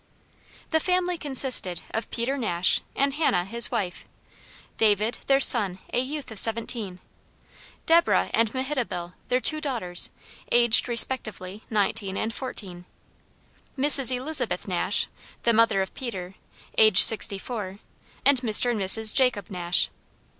The family consisted of Peter Nash and Hannah his wife, David, their son, a youth of seventeen, Deborah and Mehitabel, their two daughters, aged respectively nineteen and fourteen, Mrs. Elizabeth Nash, the mother of Peter, aged sixty four, and Mr. and Mrs. Jacob Nash.